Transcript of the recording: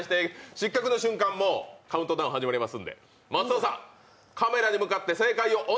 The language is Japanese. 失格の瞬間、カウントダウン始まります。